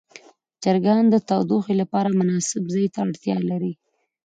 چرګان د تودوخې لپاره مناسب ځای ته اړتیا لري.